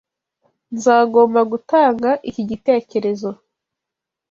Nzagomba gutanga iki gitekerezo.